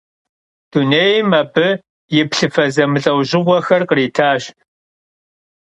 Dunêym abı yi plhıfe zemılh'eujığuexer khritaş.